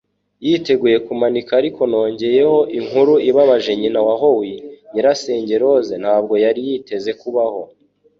Yiteguye kumanika ariko nongeyeho inkuru ibabaje nyina wa Howie, nyirasenge Rose, ntabwo yari yiteze kubaho.